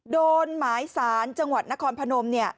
โดนหมายสารจังหวัดนครพนม